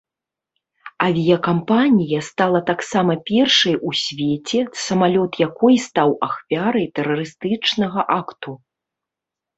Авіякампанія стала таксама першай у свеце, самалёт якой стаў ахвярай тэрарыстычнага акту.